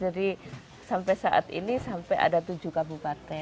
jadi sampai saat ini sampai ada tujuh kabupaten